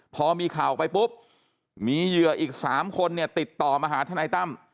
พอมีข่าวออกไปปุ๊บมีเหยื่ออีก๓คนเนี่ยติดต่อมาหาทนายตั้ม